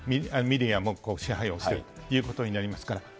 メディアも支配をしているということになりますから。